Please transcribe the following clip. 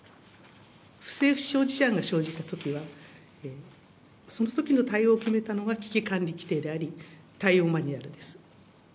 不正不祥事案が生じたときは、そのときの対応を決めたのが危機管理規定であり、対応マニュアルです。